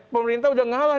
pemerintah sudah mengalah